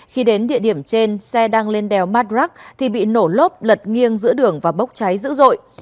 khi đến địa điểm trên xe đang lên đèo madrak thì bị nổ lốp lật nghiêng giữa đường và bốc cháy dữ dội